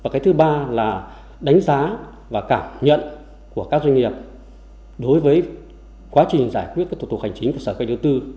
cái thứ ba là đánh giá và cảm nhận của các doanh nghiệp đối với quá trình giải quyết các thủ tục hành chính của sở kế hoạch điều tư